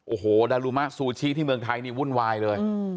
โอ้โหดารุมะซูชิที่เมืองไทยนี่วุ่นวายเลย